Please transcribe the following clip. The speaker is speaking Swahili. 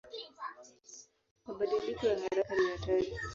Mabadiliko ya haraka ni hatari.